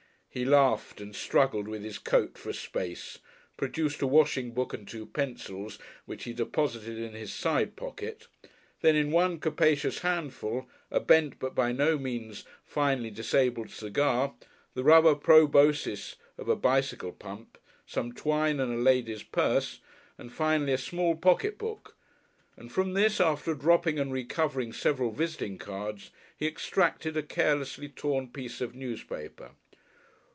He laughed and struggled with his coat for a space, produced a washing book and two pencils, which he deposited in his side pocket; then in one capacious handful, a bent but by no means finally disabled cigar, the rubber proboscis of a bicycle pump, some twine and a lady's purse, and finally a small pocket book, and from this, after dropping and recovering several visiting cards, he extracted a carelessly torn piece of newspaper.